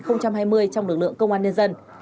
trong lực lượng công an nhân dân